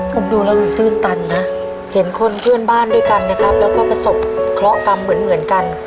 ผมดูแล้วดูตื้นตันนะเห็นคนเพื่อนบ้านด้วยกันนะครับแล้วก็ประสบเคราะหกรรมเหมือนกัน